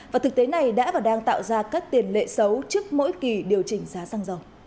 và thực tế này đã và đang tạo ra các tiền lệ xấu trước mỗi kỳ điều chỉnh giá xăng dầu